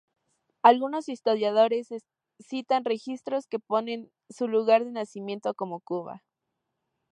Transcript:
Algunos historiadores citan registros que ponen su lugar de nacimiento como Cuba.